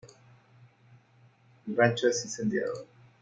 El rancho es incendiado.